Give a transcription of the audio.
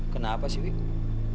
kenapa sih dekat